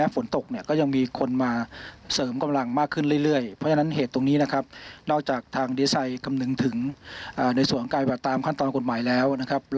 เป็นสำคัญมากยิ่งกว่านะครับ